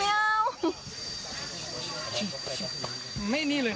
ไม่เอา